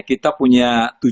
kita punya tujuh ribu